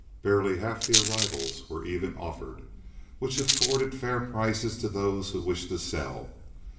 Barely half the arrivals were even offered, which afforded fair prices to those who wished to sell.